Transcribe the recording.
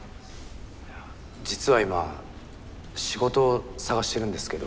実は今仕事を探してるんですけど。